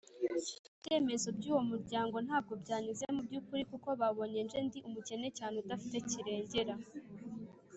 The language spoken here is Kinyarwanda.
ibyemezo byuwo muryango ntabwo byanyuze mu byukuri kuko babonye jye ndi umukene cyane udafite kirengera